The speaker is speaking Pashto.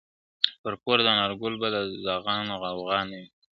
پر کور د انارګل به د زاغانو غوغا نه وي !.